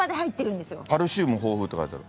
「カルシウム豊富」って書いてある。